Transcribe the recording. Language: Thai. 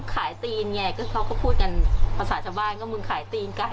ตีนไงก็เขาก็พูดกันภาษาชาวบ้านก็มึงขายตีนไก่